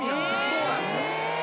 そうなんですよ。